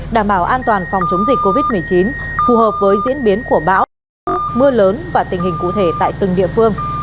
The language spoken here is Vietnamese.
đảm bảo an toàn phòng chống dịch covid một mươi chín phù hợp với diễn biến của bão mưa lớn và tình hình cụ thể tại từng địa phương